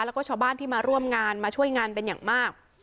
แล้วก็ชาวบ้านที่มาร่วมงานมาช่วยงานเป็นอย่างมาก